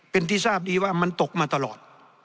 เป็นที่ทราบดีว่ามันตกมาตลอด